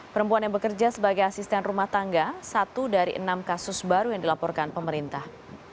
perempuan yang bekerja sebagai asisten rumah tangga satu dari enam kasus baru yang dilaporkan pemerintah